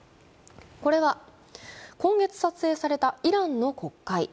これは今月撮影されたイランの国会。